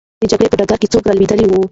د جګړې په ډګر کې څوک رالوېدلی وو؟